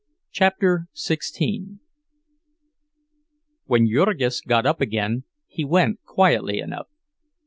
CHAPTER XVI When Jurgis got up again he went quietly enough.